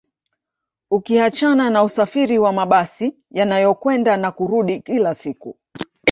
Ukiachana na usafiri wa mabasi yanayokwenda na kurudi kila siku